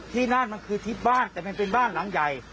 ที่นั่นมันคือที่บ้านแต่มันเป็นบ้านหลังใหญ่